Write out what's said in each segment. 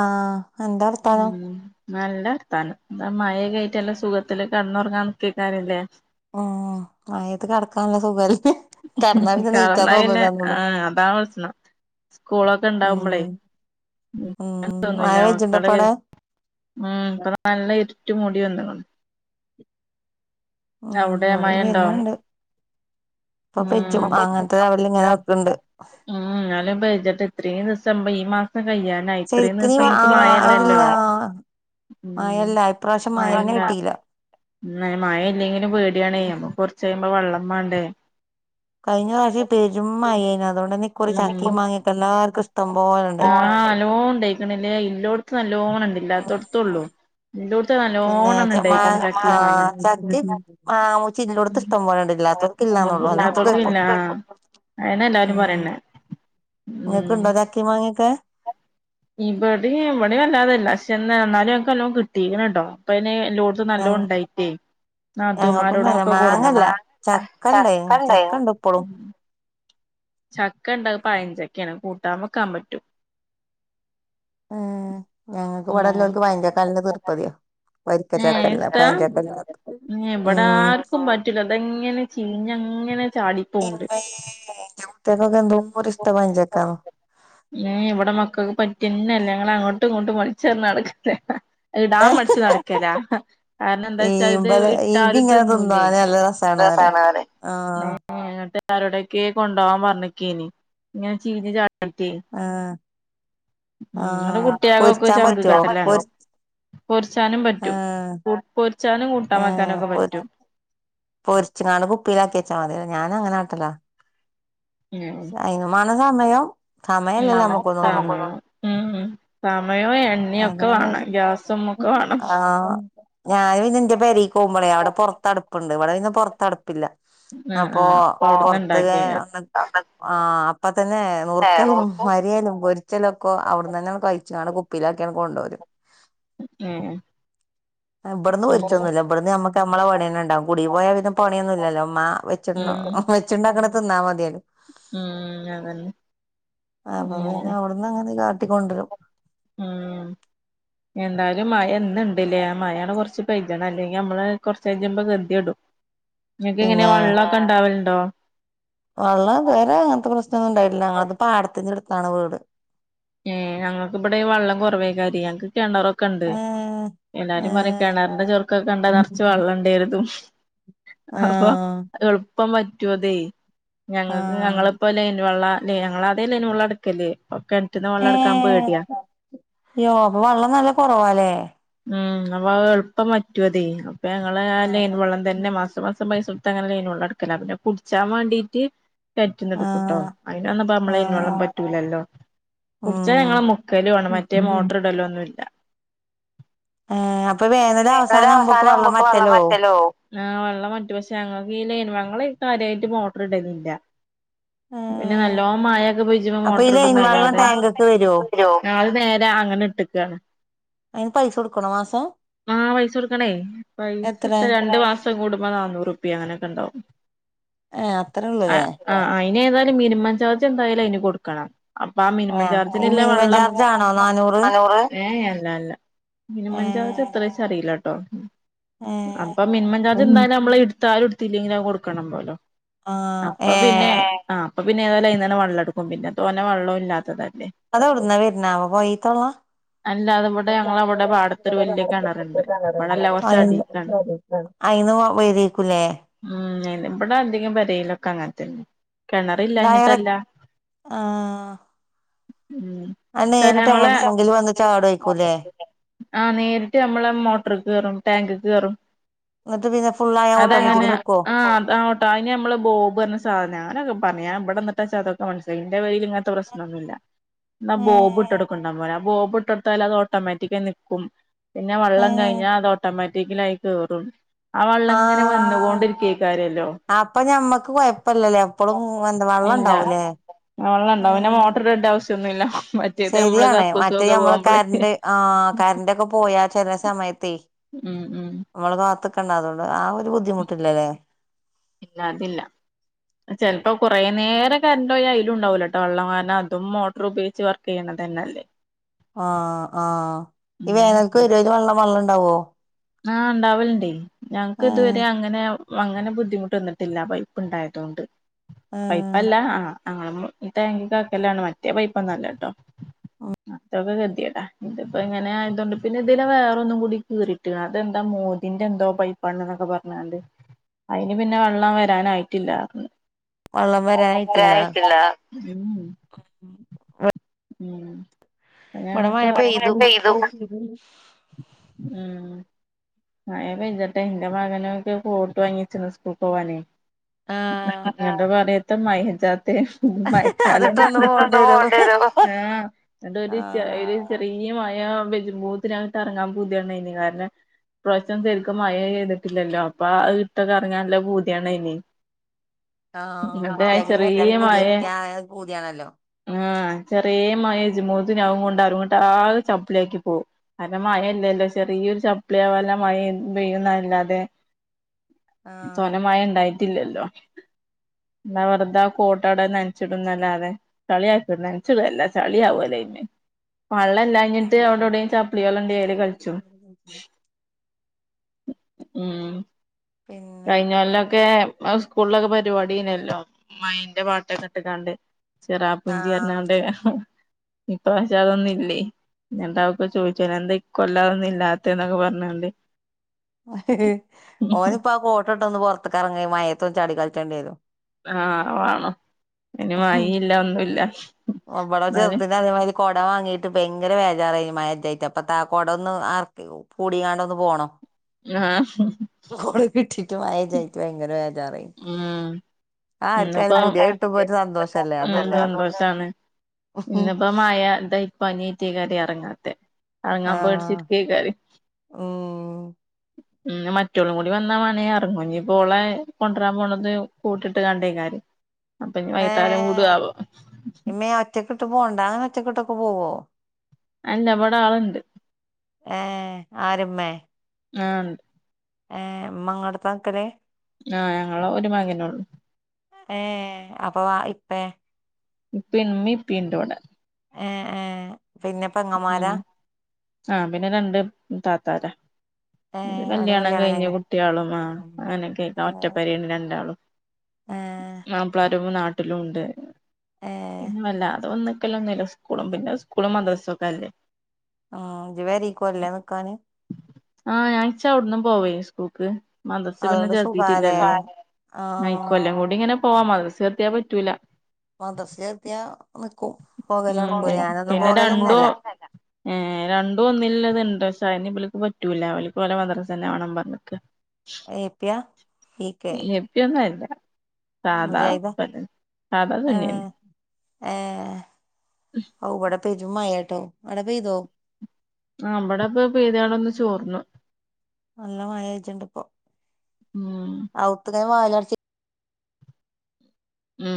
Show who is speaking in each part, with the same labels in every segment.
Speaker 1: ആഹ് എന്താ വർത്താനം.
Speaker 2: ഉം നല്ല വർത്താനം എന്താ മഴകറ്റ് നല്ല സുഖത്തില് കിടന്നുറങ്ങാൻ നിക്കാക്കരല്ലേ.
Speaker 1: ഉം മഴത്ത് കിടക്കാൻ നല്ല സുഖല്ലേ. കെടന്നാ പിന്നെ നീറ്റാൻ
Speaker 2: കണായിന്നെ
Speaker 1: തോന്നൂലാന്നൊള്ളു
Speaker 2: ആഹ് അതാ വസണം. സ്കൂളൊക്കെ
Speaker 1: ഉം
Speaker 2: ഉണ്ടാവുമ്പളെ,
Speaker 1: ഉം മഴ
Speaker 2: ഒന്നുമില്ല മക്കള്
Speaker 1: പെജ്ജ്ണ്ടോപ്പവ്ടെ
Speaker 2: ഉം നല്ല ഇരുട്ട്മൂടി വന്ന്ക്ക്ണ്.
Speaker 1: ഉം
Speaker 2: അവിടെ
Speaker 1: ഇവിടം
Speaker 2: മഴണ്ടോ
Speaker 1: വരുന്നുണ്ട്.
Speaker 2: ഉം
Speaker 1: ലെവലിലിങ്ങനെ നിക്ക്ണ്ട്
Speaker 2: [unintelligible] ന്നാലും പെജ്ജട്ടെ ഇത്രയും ദിവസം ഈ മാസം കയ്യാനായി ഇത്രയും
Speaker 1: ശരിക്ക് നീ
Speaker 2: ദിവസം നമുക്ക്
Speaker 1: ആഹ്
Speaker 2: മായല്ലല്ലോ.
Speaker 1: അതില്ല
Speaker 2: ഉം
Speaker 1: മഴല്ല ഇപ്രാവശ്യം
Speaker 2: ആഹ്
Speaker 1: മഴന്നെ
Speaker 2: എന്നന്താ
Speaker 1: കിട്ടീല്ല
Speaker 2: ഉം മഴല്ലെങ്കിലും പേടിയണേ നമ്മക്ക് കുറച്ച് കഴുമ്പോ വെള്ളം വേണ്ടേ.
Speaker 1: കഴിഞ്ഞ പ്രാവശ്യം പെരും മഴേനി അതുകൊണ്ട് തന്നെ കുറെ
Speaker 2: ഉം
Speaker 1: ചക്കിയും മാങ്ങൊക്കെ എല്ലാർക്കുണ്ട്.
Speaker 2: നല്ലോൺ ഉണ്ടാക്കണില്ലേ ഇല്ലോടത്ത് നല്ലോണ ഉണ്ട്ല്ലാ ഇല്ലാത്തൊട്ത്തള്ളു. ഇല്ലാട്ത്ത്
Speaker 1: പിന്നെ
Speaker 2: നല്ലോണം
Speaker 1: ച മാ
Speaker 2: ഇണ്ടായിരിക്കണ് ചക്കയും മാങ്ങയും.
Speaker 1: ആഹ് ചക്കിം മാങ്ങ മൂച്ചില്ലോട്ത്ത് ഇഷ്ടം പോലെണ്ട് ഇല്ലാത്തോൽക്ക് ഇല്ലാന്നൊള്ളു അല്ലാത്ത
Speaker 2: ല്ലാത്തക്കും ഇല്ല
Speaker 1: കൊഴപ്പൊന്നും
Speaker 2: അയ്നെ എല്ലാരും പറയണേ.
Speaker 1: നിങ്ങക്ക് ഇണ്ടോ ചാക്കിം മാങ്ങ്യൊക്കെ
Speaker 2: ഇവിടെ ഇവിടെ വല്ലാതെല്ല പക്ഷെ എന്ന എന്നാലും ഞങ്ങക്ക് എല്ലോ കിട്ടിണണ്ടോ അപ്പലോ ത്തെല്ലോട്ത്തും നല്ലോ ഉണ്ടായിട്ടേ, ആഹ്
Speaker 1: ഞങ്ങൾക്കൊന്നുല്ല
Speaker 2: നാതൂമാരോടൊക്കെ
Speaker 1: മാങ്ങല്ല ചക്ക ഇണ്ടായിനി
Speaker 2: കൊട്ന്ന്ണ്ട
Speaker 1: ചക്ക ഇണ്ട് ഇപ്പളും
Speaker 2: ചക്ക ഉണ്ട് പഴഞ്ചക്കെയാണ് കൂട്ടാൻ വെക്കാൻ പറ്റും.
Speaker 1: ഉം ഞങ്ങക്ക്
Speaker 2: ഉം
Speaker 1: ഇവിടെല്ലോർക്ക് വയന്റെ കാലന്റെ തീർപ്പതിയാ.
Speaker 2: ഏഹ്
Speaker 1: വരിക്കച്ചക്കല്ല
Speaker 2: ഇഷ്ടാ
Speaker 1: പഴഞ്ചക്കല്ല
Speaker 2: ഇവിടെ
Speaker 1: ഉം
Speaker 2: ആർക്കും പറ്റുല്ല. അതെങ്ങനെ ചിഞ്ഞങ്ങനെ ചാടി
Speaker 1: ഇമ്മേ ൻ്റെ കുട്ട്യാക്കൊക്കെന്തോര് ഇഷ്ട പയഞ്ചക്കാന്നോ
Speaker 2: ഉം ഇവിടെ മക്കൾക്ക് പറ്റുന്നല്ലേ ഞങ്ങ അങ്ങോട്ടും ഇങ്ങോട്ടും മളിച്ച തർന്ന നടക്കല്ല ഇടാൻ
Speaker 1: ഏഹ്
Speaker 2: മടിച്ച് നടക്കല കാരണം എന്താ
Speaker 1: ഈ
Speaker 2: വച്ചാൽ ഇത്
Speaker 1: ഇബല് ഇതിങ്ങനെ
Speaker 2: ഇട്ടാറതൊന്നുംല്ലേ
Speaker 1: തിന്നാന് നല്ല രസാണ് പറിം
Speaker 2: [unintelligible]
Speaker 1: ആഹ്
Speaker 2: ആഹ് എന്നിട്ട് ആരോടയൊക്കെ കൊണ്ട് പോവാൻ പറഞ്ഞിക്കനി ഇങ്ങനെ ചീഞ്ഞ് ചക്കി [unintelligible]
Speaker 1: ആഹ്
Speaker 2: ഉം ഇങ്ങളെ
Speaker 1: ആഹ്
Speaker 2: കുട്ട്യാകൊക്കെ
Speaker 1: പൊരിച്ചാൻ
Speaker 2: ചങ്ക്
Speaker 1: പറ്റോ
Speaker 2: കെട്ടലാണ്
Speaker 1: പൊരി
Speaker 2: പൊര്ച്ചാനും പറ്റും
Speaker 1: ആഹ്
Speaker 2: പൊരിച്ചാനും കൂട്ടാൻ
Speaker 1: ഏഹ്
Speaker 2: വെക്കാനൊക്കെ
Speaker 1: പൊരി
Speaker 2: പറ്റും
Speaker 1: പൊരിച്ച്ങ്ങാണ്ട് കുപ്പീലാക്കി വെച്ചാ മതിലോ. ഞാനങ്ങനെ കാട്ടലാ.
Speaker 2: ഉം ഉം
Speaker 1: അയ്‌നും മാണം സമയം. സമയല്ലല്ലോ നമ്ക്ക് ഒന്നും ഒന്നിനും.
Speaker 2: സമയം ഉം ഉം. സമയവും എണ്ണയൊക്കെ
Speaker 1: അതാണ്
Speaker 2: വേണം.
Speaker 1: കൊഴപ്പം
Speaker 2: ഗ്യാസും ഒക്കെ വേണം.
Speaker 1: ആഹ് ഞാന് പിന്നെന്റെ പേരീക്കോമ്പളെ
Speaker 2: ഓ
Speaker 1: അവടെ പൊറത്തടുപ്പുണ്ട്. ഇവടെ പിന്നെ പൊറത്ത് അടുപ്പില്ല.
Speaker 2: ആഹ്
Speaker 1: അപ്പോ
Speaker 2: ആഹ് അപ്പൊ അവിടുന്ന്
Speaker 1: പൊറത്ത്ക്ക്
Speaker 2: ഇണ്ടാക്കിയ
Speaker 1: ആണ് ആഹ് അപ്പത്തന്നെ നുറുക്കലും
Speaker 2: ഉം
Speaker 1: അരിയലും പൊരി ച്ചലൊക്കെ അവിടെന്നന്നെ അങ്ങ് കഴിച്ചാണ്ട് കുപ്പിയിലാക്കിക്കാണ്ട് കൊണ്ടോരും.
Speaker 2: ഉം
Speaker 1: ആഹ് ഇബടുന്ന് പൊരിച്ചൊന്നുല്ല. ഇബടന്ന് നമ്മക്ക് നമ്മളെ പണിയന്നെണ്ടാവും കുടീ പോയാ പിന്നെ പണിയൊന്നും ഇല്ലല്ലോ. ഉമ്മാ വെച്ചത്
Speaker 2: ഉം ഉം
Speaker 1: വെച്ചിണ്ടാക്കണത് തിന്നാ മതിയല്ലോ
Speaker 2: ഉം അതന്നെ
Speaker 1: അപ്പ
Speaker 2: ഉം
Speaker 1: പിന്നെ അവിട്ന്ന്ങ്ങട് കാട്ടിക്കൊണ്ടരും
Speaker 2: ഉം എന്തായാലും മയന്ന് ഇണ്ട്ല്ലേ? മയാണ് കൊറച്ച് പെജ്ണം. അല്ലെങ്കി അമ്മള് കൊറച്ച് കഴിഞ്ഞാമ്മള് ഗതി കെടും. ഇങ്ങക്ക് എങ്ങനെ
Speaker 1: പിന്നെ
Speaker 2: വെള്ളോക്കെ ഉണ്ടാവല്ണ്ടോ?
Speaker 1: വെള്ളം ഇത് വരെ അങ്ങനത്തെ പ്രശ്നം ഒന്നും ഇണ്ടായിട്ടില്ല. ഞങ്ങളത് പാടത്തിന്റെ അടുത്താണ് വീട്
Speaker 2: ഉം ഞങ്ങൾക്ക് ഇബടെ ഈ വള്ളം കുറവായാകാര്യേ. ഞങ്ങക്ക് കെണറോ ക്കണ്ട്.
Speaker 1: ഏ ഏ
Speaker 2: എല്ലാരും പറയും കെണറിന്റെ ചൊർകൊക്കെ കണ്ടാ നെറച്ച് വെള്ളംണ്ട് കരുതും. അപ്പ
Speaker 1: ആഹ്
Speaker 2: എളുപ്പം വറ്റും അതെ. ഞങ്ങക്ക്
Speaker 1: ആഹ്
Speaker 2: ഞങ്ങളിപ്പോ ലൈൻ വെള്ളാ. അല്ലേ ഞങ്ങളാദ്യേ ലൈൻ വെള്ളാട്ക്കല് ഒക്കെ
Speaker 1: ഏഹ്? യ്യോ അപ്പ വെള്ളം നല്ല കൊറവാല്ലേ?
Speaker 2: ഉം അപ്പ അത് എളുപ്പം വറ്റും അതെ. അപ്പ ഞങ്ങള് ആഹ് ലൈൻ വെള്ളം തന്നെ മാസം മാസം പൈസ കൊടുത്ത് അങ്ങനെ ലൈൻ വെള്ളം എടുക്കലാ. പിന്നെ കുടിച്ചാൻ വേണ്ടീട്ട് കെണറ്റിന്ന് എടുക്കൂട്ടോ.
Speaker 1: ആഹ്
Speaker 2: അയിന് ഒന്നുപ്പോ അമ്മളെ ലൈൻ വെള്ളം
Speaker 1: ആഹ്
Speaker 2: പറ്റൂലല്ലോ. കുട്ച്ചാൻ വെള്ളം മുക്കലുമാണ്. മറ്റേ
Speaker 1: ഉം
Speaker 2: മോട്ടർ ഇടലോ ഒന്നുല്ല. [unintelligible] വേനല് അവസാനം ആവുമ്പോക്ക് വെള്ളം വറ്റല്ലോ ആഹ് വെള്ളം വറ്റും. പക്ഷേ ഞങ്ങൾക്ക് ഈ ലൈൻവെള്ളം ഞങ്ങള് കാര്യായിട്ട് മോട്ടർ ഇടലില്ല.
Speaker 1: ഏ
Speaker 2: പിന്നെ നല്ലോണം മയൊക്കെ പെജ്ജ്മ്പോ മോട്ടർ ഇടുംന്നല്ലാതെ
Speaker 1: പ്പോ വര്വോ
Speaker 2: യ്യോ ഞങ്ങള് നേരെ അങ്ങനെ ഇട്ട്ക്കാണ്
Speaker 1: അയിന് പൈസ കൊടുക്കണോ മാസം
Speaker 2: ആ പൈസൊടുക്കണേ. പൈസ
Speaker 1: എത്ര
Speaker 2: പ്പ രണ്ടു മാസം പ്പ കൂടുമ്പോ നാന്നൂറുപ്പിയ അങ്ങനൊക്കെണ്ടാവും
Speaker 1: ഏഹ് അത്രേ ഉള്ളുല്ലേ
Speaker 2: ആഹ് അയിന് ഏതായാലും മിനിമം ചാർജ് എന്തായാലും അയിന് കൊടുക്കണം. അപ്പ ആ മിനിമം
Speaker 1: ഈ
Speaker 2: ത്തിന്ള്ള
Speaker 1: മിനിമം
Speaker 2: വെള്ളം
Speaker 1: ചാർജ് ആണോ
Speaker 2: [unintelligible]
Speaker 1: നാനൂറ്
Speaker 2: അലോ ഏഹ് അല്ല അല്ല.
Speaker 1: ഏ
Speaker 2: മിനിമം ചാർജ് എത്രേ ച്ച് അറിയില്ലാട്ടോ
Speaker 1: ഏ
Speaker 2: അപ്പോ മിനിമം ചാർജ്
Speaker 1: ഉം
Speaker 2: എന്തായാലും അമ്മള് എടുത്താലും എടുത്തില്ലെങ്കിലും അത് കൊടുക്കണം പോലോ
Speaker 1: ആഹ്
Speaker 2: അപ്പ പിന്നെ
Speaker 1: ഏഹ്
Speaker 2: അപ്പ പിന്നെ ഏതായാലും അയ്ന്നന്നേ വെള്ളം എടുക്കും. പിന്നെ തോനെ വെള്ളോം ഇല്ലാത്തതല്ലേ?
Speaker 1: അതെവിടുന്നാ വെരുന്നാവോ? പൊയീത്തെ വെള്ളാ?
Speaker 2: അല്ല അത് ഇവടെ ഞങ്ങളവടെ പാ
Speaker 1: [unintelligible]
Speaker 2: അടീക്കാണ്
Speaker 1: അയിന്ന് വരേക്കൂല്ലേ?
Speaker 2: ഉം. ഇബടെ അധികം പെരേലൊക്കെ അങ്ങനത്തന്നെ.
Speaker 1: ഡയറക്ട്
Speaker 2: കിണറില്ലാഞ്ഞിട്ടല്ല.
Speaker 1: ആഹ്
Speaker 2: ഉം
Speaker 1: അത്
Speaker 2: പക്ഷെ
Speaker 1: നേരിട്ട്
Speaker 2: ഞങ്ങളെ
Speaker 1: അങ്ങോട്ട് ട്ടാങ്കില് വന്ന് ചാടേയ്ക്കൂല്ലേ?
Speaker 2: ആഹ് നേരിട്ട് ഞമ്മളെ മോട്ടർക്ക് കേറും ടാങ്ക്ക്ക് കേറും
Speaker 1: എന്നിട്ട് പിന്നെ ഫുള്ളായ ഓട്ടോമാറ്റിക്
Speaker 2: അതങ്ങനെയ
Speaker 1: നിക്കുവോ
Speaker 2: ആഹ് ദാ ഓ ട്ട അയിന് നമ്മള് ബോബ് പറഞ്ഞ സാന ഞാനൊക്കെ പറഞ്ഞ ഞാൻ ഇബ്ടെന്നട്ട് സാക്കെ മനസിലായിന്റെ വയി ഇങ്ങനത്തെ പ്രശ് നൊന്നുല്ല എന്നാ ബോബ്
Speaker 1: ഏഹ്
Speaker 2: ഇട്ട് എടുക്കണ്ടാൻ പോലെ ആ ബോബ് ഇട്ടെടുത്തൽ അത് ഓട്ടോമാറ്റിക്ക്‌ ആയി നിക്കും പിന്നെ വെള്ളം
Speaker 1: ഏഹ്
Speaker 2: കഴിഞ്ഞാ അത് ഓട്ടോമാറ്റിക്കില് അയില് കേറും. ആ വള്ള ഇങ്ങനെ വന്നു
Speaker 1: ആഹ്
Speaker 2: കൊണ്ടിരിക്കെ കാരല്ലോ.
Speaker 1: അപ്പൊ ഞമ്മക്ക് കൊഴപ്പല്ലല്ലേ എപ്പളും ഉം എന്താ വെള്ളം ഇണ്ടാവൂലേ?
Speaker 2: ആഹ് വെള്ളണ്ടാവും പിന്നെ മോട്ടറ് ഇടേണ്ട ആവശ്യം ഒന്നുല്ല.
Speaker 1: ശരിയാണ് മറ്റേ ഞമ്മള് കര്ണ്ട് ആഹ് കരന്റൊക്കെ പോയാ ചെലെ സമയത്തേ
Speaker 2: ഉം ഉം.
Speaker 1: നമ്മള് കാത്തുക്കണ്ട അതുകൊണ്ട് ആ ഒരു ബുദ്ധിമുട്ടില്ലല്ലേ.
Speaker 2: ഇല്ല അതില്ല. ചെൽപ്പോ കുറേ നേര കറണ്ട് പോയ അയിലും ഇണ്ടാവൂല ട്ട വെള്ളം കാരണം അതും മോട്ടർ ഉപയോഗിച്ച് വർ ചെയ്യണ തന്നല്ലേ.
Speaker 1: ആഹ് ആഹ് ഈ
Speaker 2: ഉം
Speaker 1: വേനൽക്ക് വരോ വെള്ളം വെള്ളം ഇണ്ടാവോ?
Speaker 2: ആഹ് ഇണ്ടാവലിണ്ടെ ഞങ്ങക്ക്
Speaker 1: ഏഹ്
Speaker 2: ഇതുവരെ അങ്ങനെ അങ്ങനെ ബുദ്ധിമുട്ട് വന്നിട്ടില്ല പൈപ്പ് ഇണ്ടായതുകൊണ്ട്
Speaker 1: ഏഹ്
Speaker 2: പൈപ്പല്ല ആഹ് ഞങ്ങളെ മ് ഈ ടാങ്ക് കാക്കല്ലാണ് മറ്റേ പൈപ്പൊന്നല്ല ട്ടോ അതൊക്കെ ഗദ്ധ്യേട. ഇതിപ്പോ എങ്ങനെ ആയതൊണ്ട് പിന്നെ ഇതില് വേറ ഒന്നും കൂടി കീറി ട്ട് ക അതെന്താ മോദിന്റെ എന്തോ പൈപ്പാണ് ന്നൊക്കെ പറഞ്കാണ്ട് അയിന് പിന്നെ വെള്ളം വരാനായിട്ടില്ലട്ട
Speaker 1: വെള്ളം വരാനായിട്ടില്ല
Speaker 2: പറഞ്ഞ്. [unintelligible] ഉം ഉം അങ്ങന
Speaker 1: ഇവടെ മഴ
Speaker 2: ക്ക പണി കൊറേ
Speaker 1: പെയ്തു
Speaker 2: ചെയ്തു ഉ മഴ പെയ്തിട്ടേ എന്റെ മകനൊക്കെ കോട്ട് വാങ്ങിച്ചിണ് സ്കൂൾക്ക്‌ പോവാനേ.
Speaker 1: ആഹ്
Speaker 2: ന്നിട്ട് പറിം ത്ത മയച്ചാത്തെ. മഴക്കാലം
Speaker 1: അതിട്ടൊന്ന്
Speaker 2: ഞ്ഞിട്ടൊന്ന്
Speaker 1: വരും
Speaker 2: പോണ്ടി വെരും ആഹ് എന്നിട്ട് ഒരു ച
Speaker 1: ആഹ്
Speaker 2: ഒരു ചെറിയ മയ വെജുംബോത്തിന് അങ്ങ് കറങ്ങാൻ പൂതിയാണ് അയ്ന് കാരണം. ഇപ്രാവശ്യം ശെരിക്കും മഴെയ്തിട്ടില്ലല്ലോ അപ്പ ഇട്ട് ഒക്കെ എറങ്ങൻ നല്ല പൂതിയാണ് അയിന്.
Speaker 1: ആഹ് കുട്ട്യാക്ക് ഇങ്ങൻതെന്
Speaker 2: ചെറിയ
Speaker 1: പുതിയ
Speaker 2: മഴ
Speaker 1: ക പൂതിയാണല്ലോ.
Speaker 2: ആഹ് ചെറിയ മായേജുമോദിന് അും കൊണ്ട് അരുംങ്ങോട്ടറ ആകെ ചപ്പിലാക്കി പോവും. അല്ല മഴ ഇല്ലല്ലോ ചെറിയൊരു ചപ്പ്ളിയ വല മഴയും പെയ്യുന്ന അല്ലാതെ
Speaker 1: ആഹ്
Speaker 2: തോനെ മഴ ഇണ്ടായിട്ടില്ലല്ലോ. ന്താ വെറുതെ കോട്ടാടെ നനച്ചിടുന്നല്ലാതെ ചളിയാക്കി നനച്ചിടല്ല ചളിയാവോല അയിമേ വള്ളല്ല. ഞ്ഞിട്ട് അവിടെ എവിടെയും ചാപ്പ്ളി വെള്ളം ഇണ്ടേ ആയ്ല് കളിച്ചും. ഉം.
Speaker 1: പിന്നെ
Speaker 2: കയിഞ്ഞ കൊല്ലൊക്കെ സ്കൂളിലൊക്കെ പരിപാടി ഏനല്ലോ മൈന്റെ പാട്ടൊക്കെ ഇട്ട് ക്കാണ്ട് ചിറപുഞ്ചി പറഞ് കാണ്ട്
Speaker 1: ആഹ്
Speaker 2: ഇപ്പ പക്ഷെ അതൊന്നും ഇല്ലേ? ഉണ്ടാവോ ഒക്കെ ചോയിച്ച എന്താ ഇക്കൊല്ലം ഒന്നും ഇല്ലാത്തന്നൊക്കെ പറഞ്ഞ്ക്കാണ്ട്
Speaker 1: ഓനി ഇപ്പ ആ കോട്ട് ഇട്ട് ഒന്ന് പോർത്തിക്ക് ഇറങ്ങി മയത്ത് ചാടി കളിച്ചേണ്ടി വെരും.
Speaker 2: ആഹ് വാണം ഐന്
Speaker 1: വരും
Speaker 2: മയില്ല ഒന്നുമല്ല
Speaker 1: ഇവിടെ
Speaker 2: എന്നാല്
Speaker 1: ചെറുതിന് അതേമാതിരി കൊട വാങ്ങീട്ട് ഭയങ്കര വേജാറ മഴ ഇല്ലായിട്ട് അപ്പ ത കുട ഒന്ന് ആർക്കെ കൂടിക്കാണ്ടൊന്ന് പോണം.
Speaker 2: ആഹ്.
Speaker 1: കൊട കിട്ടിട്ട് മയ ഇല്ലാഞ്ഞിട്ട് ഭയങ്കര വേജാറായി.
Speaker 2: ഉം ഇന്നപ്പോ
Speaker 1: കിട്ടുമ്പോ ഒരു സന്തോഷല്ലേ
Speaker 2: നല്ല
Speaker 1: അതൊന്ന്
Speaker 2: സന്തോഷാണ് പിന്നപ്പ മായ പനീറ്റേക്കറി ഇറങ്ങാത്തെ ഇറങ്ങാൻ പേഡ്ച്ചി
Speaker 1: ആഹ്
Speaker 2: രികേക്കാര്
Speaker 1: ഉം
Speaker 2: ഉ മറ്റേള്ളും കൂടി വന്നാ വേണ ഇറങ്ങുഞ്ഞി പോളെ കൊണ്ടുവരാൻ പോണത് കോ ട്ടിട്ട് കണ്ടേക്കാര് അപ്പന്നി വൈത്താലം കൂടാവോ
Speaker 1: മേ ഒറ്റക്കിട്ട പോവണ്ടാ ഒച്ചക്ക് ഇട്ട് പോവോ
Speaker 2: അല്ല വ്ടാളുണ്ട്
Speaker 1: ഏ ആര് ഉമ്മേ
Speaker 2: ആഹ്
Speaker 1: ഏഹ് ഇമ്മ ഇങ്ങളെ അടുത്താ നിക്കല്
Speaker 2: ആഹ് ഞങ്ങൾ ഒരു മകനൊള്ളൂ
Speaker 1: ഏ അപ്പൊ ഇപ്പ
Speaker 2: ഇപ്പം ഇമ്മ ഇപ്പ ഇവിടെഇണ്ട്
Speaker 1: ഏ ഏ പിന്നെ പെങ്ങമാര
Speaker 2: ആ പിന്നെ രണ്ട് താത്താര
Speaker 1: ഏഹ് ഓലെ
Speaker 2: കല്യാണം കഴിഞ്ഞ്
Speaker 1: കഴിഞ്ഞോ
Speaker 2: കുട്ടിയോളും ആ അങ്ങനെ കേക്കാം
Speaker 1: ഏഹ്
Speaker 2: ഒറ്റപ്പെരി രണ്ടാളും
Speaker 1: ഏഹ്
Speaker 2: മാപ്ലാരും നാട്ട ടിലൃണ്ട്
Speaker 1: ഏ
Speaker 2: പിന്ന വല്ലാതെ വന്ന്ക്കല്ലൊന്നുല്ല സ്കൂളും പിന്നെ സ്കൂളും മദ്ര പല്ലേ
Speaker 1: ആഹ് ഇജ് പെരീക്കോല്ലിലെ നിക്കാന്
Speaker 2: ആഹ് ഞാ ഇചവിട്ന്നും പോവയ് സ്കൂൾക്ക് മദസ്സ് പിന്നെ
Speaker 1: അതുകൊണ്ട് സുഖാലേ
Speaker 2: ചേർത്തിയിട്ടില്ലല്ലോ നക്ക
Speaker 1: ആഹ്
Speaker 2: കൊല്ലം കൂടി ഇങ്ങനെ പോവാ മദസ്സ് ചേർത്തിയാ പറ്റൂല
Speaker 1: മദ്രസ് ചേർത്തിയാ നിക്കും പോകലടക്കൂല ഞാനൊന്നും പോകലന്നല്ല
Speaker 2: ഏ രണ്ടും ഒന്നുമില്ലത് ഇണ്ട് സ അന് ഇവൽക്ക് പറ്റൂല അവക്ക് ഓലെ മദ്രസ സെന്നെ വേണം പറഞ്ഞിക്ക്
Speaker 1: എ പി യാ ഇ കെ
Speaker 2: എപ്പിയൊന്നല്ല സാധാ
Speaker 1: മുജാഹിദാ
Speaker 2: സാധാ സുന്നിയന്നെ
Speaker 1: ഏ ഔവിടെ പെരുംമയേട്ടോ അവിടെ പെയ്തോ
Speaker 2: ആഹ് ഇവിടെപ്പൊ പെയ്തയാള ഒന്ന് ചോർന്നു
Speaker 1: നല്ല മഴ ആയിട്ടുണ്ട് ഇപ്പൊ
Speaker 2: ഉം
Speaker 1: ഔത്ത് ക വാതി
Speaker 2: ഉം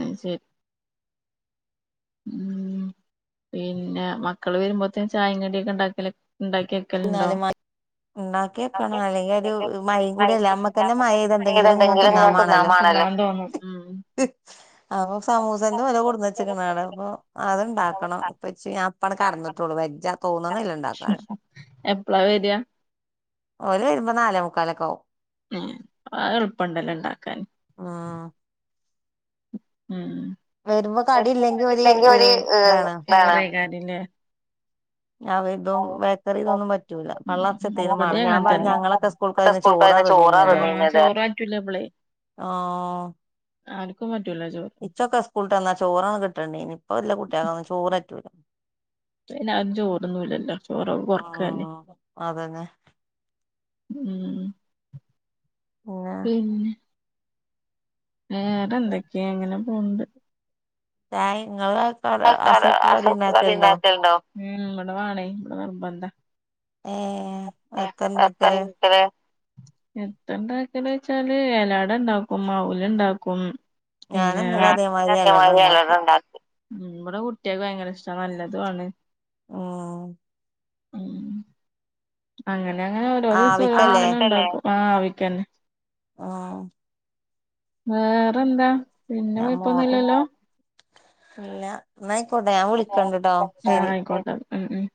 Speaker 2: അയ് ശരി ഉ പിന്നെ മക്കള് വരുമ്പോത്തേ ചായ കടിയൊക്കെ ഉണ്ടാക്കി ഉണ്ടാക്കിയ
Speaker 1: [unintelligible] ഉണ്ടാക്കി വക്കണം അല്ലെങ്കിൽ ഒരു മൈ കൂടല്ലേ അമ്മക്കന്നെ മഴതെന്തെങ്കിലും ഇങ്ങനെ തിന്നാൻ വേണല്ലോ
Speaker 2: ഉം ഉം
Speaker 1: അപ്പൊ സമൂസന്റെ ഓല കൊടുന്ന്ച്ച്ക്കണവ്ടെ അപ്പൊ അത്ണ്ടാക്കണം ഇപ്പ ഇപ്പാണ് കടന്നിട്ടൊള്ളൂ വെജ തോന്നിണിഇല്ല ഇണ്ടാക്കാൻ
Speaker 2: എപ്പളാ വരാ
Speaker 1: ഓൽ വരുമ്പോ നാലേ മുക്കാലൊക്കെകവും
Speaker 2: അത് എളുപ്പംണ്ടല്ലോ ണ്ടാക്കാൻ
Speaker 1: ആഹ് വരുമ്പോ കടി ഇല്ലെങ്കി ഒരു ഏഹ്, ഇതാണ്
Speaker 2: [unintelligible]
Speaker 1: ഇതും ബേക്കറി ഇതൊന്നും പറ്റൂല പള്ളർച്ചത്തേും മമാണ് ഞാൻ പറഞ്ഞ ഞങ്ങളൊക്കെ സ്‌കൂ
Speaker 2: ഞങ്ങൾ സ്കൂൾക്ക് പോകുമ്പോ ചോറ തിന്നൽ
Speaker 1: ആഹ്
Speaker 2: ആ അർക്കും പറ്റൂല്ല ചോർ
Speaker 1: ഇച്ചൊക്കെ സ്കൂള് ട്ട് വന്നാ ചോറാണ് കിട്ടണ്ടീനി. ഇപ്പൊ ഇല്ലെ കുട്ടിയേക്കൊന്നും ചോററ്റൂല്ല.
Speaker 2: ഇപ്പയ്നാരും ചോറ് തിന്നൂല്ലല്ലോ ചോറൊക്കെ കൊറക്കാർഞ്.
Speaker 1: ആഹ് അതന്നെ
Speaker 2: ഉം ഉം പിന്നെ വേറെന്തെക്കേ ഇങ്ങനെ പോവ്ണ്ട്.
Speaker 1: ചായിം ഇങ്ങള
Speaker 2: [unintelligible] അസർക്ക് കടി ഇണ്ടാക്കേണ്ടോ? ഉം. ഇബടെ മാണേ ഇബടെ നിർബന്ധാ.
Speaker 1: ഏഹ്.
Speaker 2: [unintelligible] എത്ത [unintelligible] എത്ത ഇണ്ടാക്കല് വച്ചാല് എലയടണ്ടാക്കും അവല് ണ്ടാക്കും.
Speaker 1: ഞാന്
Speaker 2: പിന്നേ,
Speaker 1: ഇന്നലെ
Speaker 2: ഞാനു ഇതാ
Speaker 1: അതേമാതിരി
Speaker 2: ഇതേ
Speaker 1: അലട
Speaker 2: മായിരി
Speaker 1: ഉണ്ടാക്കി
Speaker 2: എലടണ്ടാക്കും. ഉം ഇബടെ കുട്ട്യേക്ക് ഭയങ്കര ഇഷ്ടാ നല്ലതു ആണ്.
Speaker 1: ആഹ്
Speaker 2: ഉം അങ്ങനെ അങ്ങനെ ഓരോ ദിവസ
Speaker 1: ആവിക്കല്ലേ
Speaker 2: ഓരോന്ന്ങ്ങനെണ്ടാക്കും. ആവിക്കല്ലേ? ആഹ് ആവിക്കെന്നെ.
Speaker 1: ആഹ്
Speaker 2: വേറന്താ?
Speaker 1: ഞാൻ മോട്ര ഇല്ല. ഇന്നാ അയ്ക്കോട്ടെ ഞാ വിളിക്കണ്ട്ട്ടോ
Speaker 2: ആ
Speaker 1: ശെരി.
Speaker 2: ആയിക്കോട്ടെ ഉം ഉം